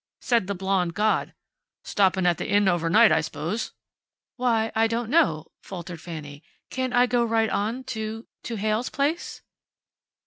Said the blond god, "Stopping at the Inn overnight, I s'pose." "Why I don't know," faltered Fanny. "Can't I go right on to to Heyl's place?"